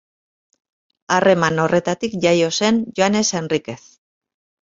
Harreman horretatik jaio zen Joanes Enrikez.